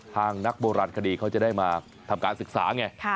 นักโบราณคดีเขาจะได้มาทำการศึกษาไง